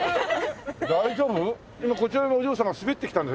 今こちらのお嬢さんが滑ってきたんだよ